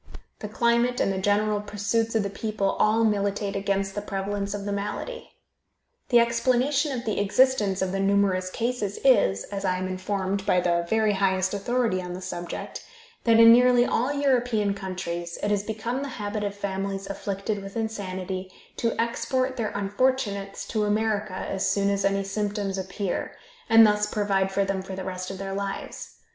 The climate and the general pursuits of the people all militate against the prevalence of the malady. The explanation of the existence of the numerous cases is, as I am informed by the very highest authority on the subject, that in nearly all European countries it has become the habit of families afflicted with insanity to export their unfortunates to America as soon as any symptoms appear, and thus provide for them for the rest of their lives.